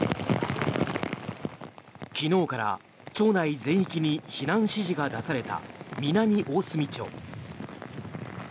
昨日から町内全域に避難指示が出された南大隅町。